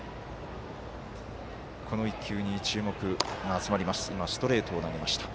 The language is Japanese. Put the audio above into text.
この１球に注目が集まります。